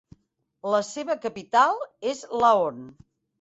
La seva capital és Laon.